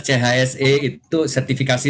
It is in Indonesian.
thse itu sertifikasi